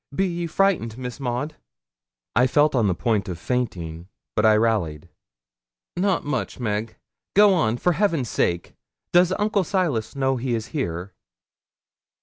Be ye frightened, Miss Maud?' I felt on the point of fainting, but I rallied. 'Not much, Meg. Go on, for Heaven's sake. Does Uncle Silas know he is here?'